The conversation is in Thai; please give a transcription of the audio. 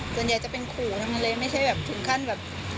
ส่วนใหญ่จะเป็นขู่ทั้งนั้นเลยไม่ใช่แบบถึงขั้นแบบ